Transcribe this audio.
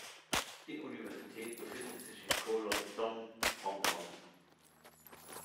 Die Universität befindet sich in Kowloon Tong, Hongkong.